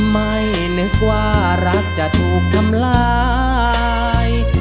ไม่นึกว่ารักจะถูกทำร้าย